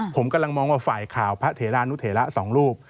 ผมกำลังมองว่าฝ่ายข่าวพระเถรานุเถระ๒รูป